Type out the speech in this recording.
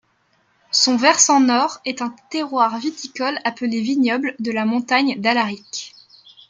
Son versant nord est un terroir viticole appelé vignoble de la Montagne d'Alaric.